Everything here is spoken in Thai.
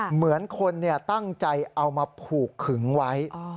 เหมือนคนตั้งใจเอามาผูกขึงไว้